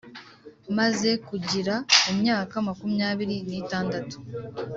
maze kugira imyaka makumyabiri n’itandatu